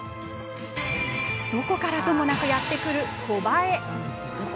どこからともなくやって来るコバエ。